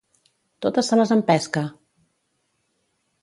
Totes se les empesca!